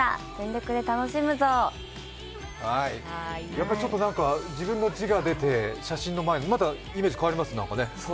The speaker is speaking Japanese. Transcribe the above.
やっぱ自分の字が出て写真の前で、なんかイメージ変わりますね。